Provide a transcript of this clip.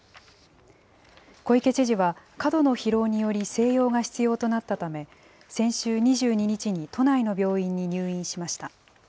小池知事は、過度の疲労により静養が必要となったため、先週２２日に都内の病院に入院しました。